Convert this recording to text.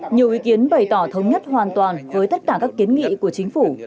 nhiều ý kiến bày tỏ thống nhất hoàn toàn với tất cả các kiến nghị của chính phủ